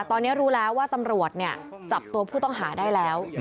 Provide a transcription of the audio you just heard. ตอนนี้รู้แล้วว่าตำรวจจับตัวผู้ต้องหาได้แล้ว